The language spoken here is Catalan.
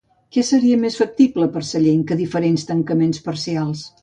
Què seria més factible per a Sallent que diferents tancaments parcials?